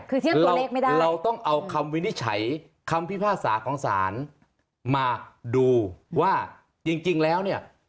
คือเทียบตัวเลขไม่ได้เราต้องเอาคำวินิจฉัยคำพิพากษาของศาลมาดูว่าจริงแล้วเนี่ย